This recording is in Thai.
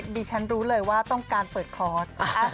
ดิฉันรู้เลยว่าต้องการเปิดคอร์ส